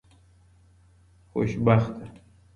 خوشبخته